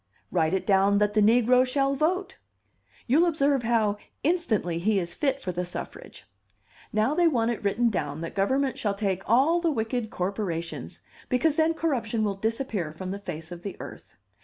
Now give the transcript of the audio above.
Write it down that the negro shall vote. You'll observe how instantly he is fit for the suffrage. Now they want it written down that government shall take all the wicked corporations, because then corruption will disappear from the face of the earth.